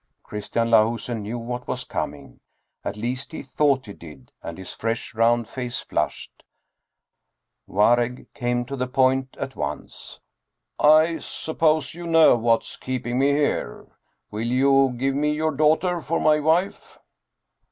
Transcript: Christian Lahusen knew what was com 22 Dietrich Theden ing. At least, he thought he did, and his fresh round face flushed. Waregg came to the point at once. " I suppose you know what's keeping me here? Will you give me your daughter for my wife